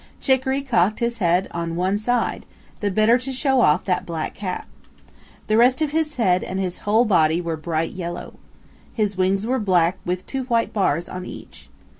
Chicoree cocked his head on one side, the better to show off that black cap. The rest of his head and his whole body were bright yellow. His wings were black with two white bars on each.